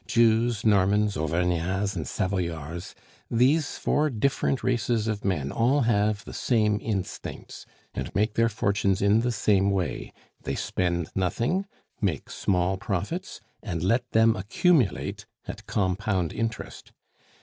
Jews, Normans, Auvergnats, and Savoyards, those four different races of men all have the same instincts, and make their fortunes in the same way; they spend nothing, make small profits, and let them accumulate at compound interest.